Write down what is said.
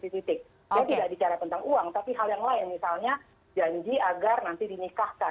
jadi tidak bicara tentang uang tapi hal yang lain misalnya janji agar nanti dinikahkan